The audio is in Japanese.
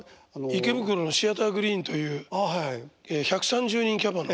池袋のシアターグリーンという１３０人キャパの。